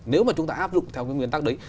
nếu mà chúng ta áp dụng theo cái nguyên tắc đấy